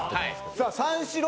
さあ三四郎。